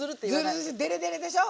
デレデレでしょ？